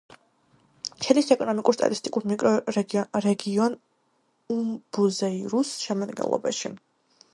შედის ეკონომიკურ-სტატისტიკურ მიკრორეგიონ უმბუზეირუს შემადგენლობაში.